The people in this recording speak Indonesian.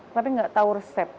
tapi gak tau resep